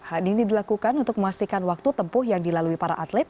hal ini dilakukan untuk memastikan waktu tempuh yang dilalui para atlet